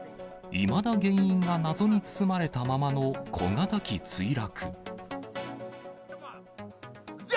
いまだ原因が謎に包まれたままの小型機墜落。